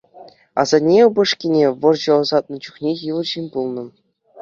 Асанне упӑшкине вӑрҫа ӑсатнӑ чухне йывӑр ҫын пулнӑ.